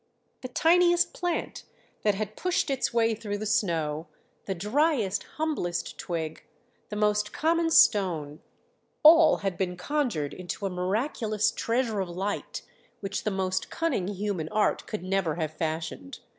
The tiniest plant that had pushed its way through the snow, the driest, humblest twig, the most common stone, all had been conjured into a miraculous treasure of light which the most cunning human art could never have fashioned.